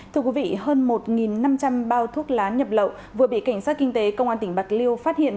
thưa quý vị hơn một năm trăm linh bao thuốc lá nhập lậu vừa bị cảnh sát kinh tế công an tỉnh bạc liêu phát hiện